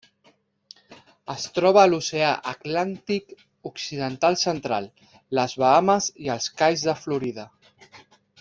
Es troba a l'Oceà Atlàntic occidental central: les Bahames i els cais de Florida.